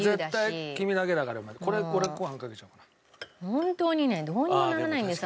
本当にねどうにもならないんです